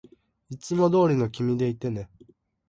いつもどうりの君でいてね